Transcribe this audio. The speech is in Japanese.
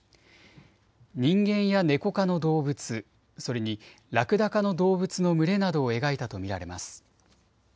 人間やネコ科の動物、それにラクダ科の動物の群れなどを描いたと見られます。